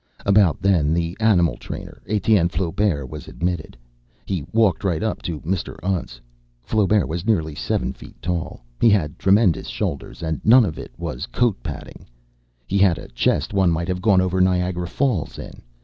About then the animal trainer, Etienne Flaubert, was admitted. He walked right up to Mr. Untz. Flaubert was nearly seven feet tall. He had tremendous shoulders and none of it was coat padding. He had a chest one might have gone over Niagara Falls in.